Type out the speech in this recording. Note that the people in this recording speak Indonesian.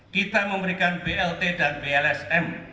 kita memberikan blt dan blsm